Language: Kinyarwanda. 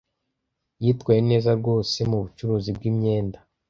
Yitwaye neza rwose mubucuruzi bwimyenda.